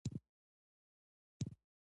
دجومات په مخکې يې کېږدۍ.